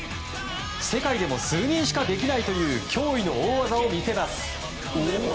世界でも数人しかできないという驚異の大技を見せます。